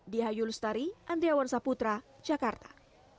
di hayulustari andriawan saputra jakarta